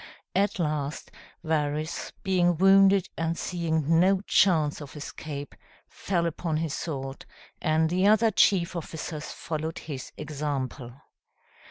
At last, Varus, being wounded and seeing no chance of escape, fell upon his sword, and the other chief officers followed his example.